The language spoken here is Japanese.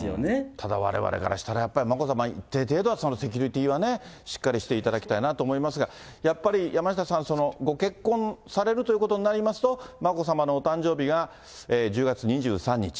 ただわれわれからしたら、一定程度のセキュリティーはね、しっかりしていただきたいなと思いますが、やっぱり、山下さん、ご結婚されるということになりますと、眞子さまのお誕生日が１０月２３日。